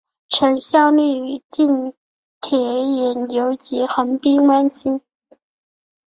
曾效力于近铁野牛及横滨湾星。